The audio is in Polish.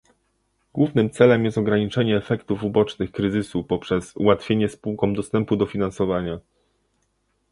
Głównym celem jest ograniczenie efektów ubocznych kryzysu poprzez ułatwienie spółkom dostępu do finansowania